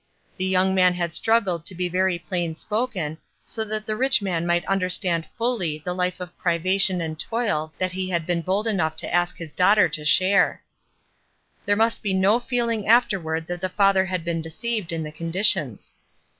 The young man had struggled to be very plain spoken, so that the rich man might understand fully the hfe of privation and toil that he had been bold enough to ask his daughter to share ; there must be no feeling afterward that the father had been deceived in the conditions.